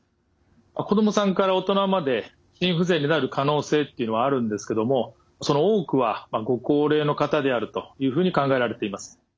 子どもさんから大人まで心不全になる可能性っていうのはあるんですけどもその多くはご高齢の方であるというふうに考えられています。